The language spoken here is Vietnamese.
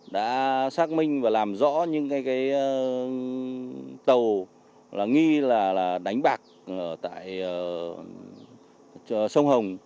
đã xác minh và làm rõ những tàu nghi là đánh bạc tại sông hồng